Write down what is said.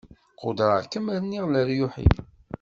Qudreɣ-kem rniɣ leryuy-im.